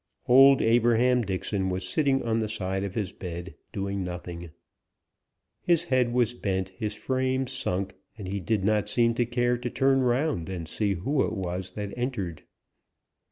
Old Abraham Dixon was sitting on the side of his bed, doing nothing. His head was bent, his frame sunk, and he did not seem to care to turn round and see who it was that entered.